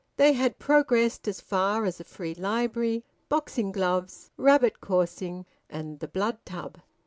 They had progressed as far as a free library, boxing gloves, rabbit coursing, and the Blood Tub.